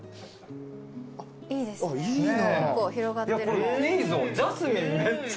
これいいぞ。